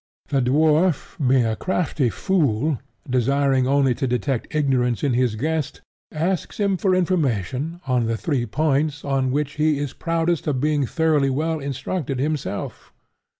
The dwarf, being a crafty fool, desiring only to detect ignorance in his guest, asks him for information on the three points on which he is proudest of being thoroughly well instructed himself.